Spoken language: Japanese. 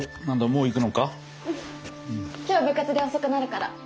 うん今日部活で遅くなるから。